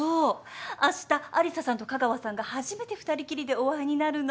あした有沙さんと香川さんが初めて２人きりでお会いになるの。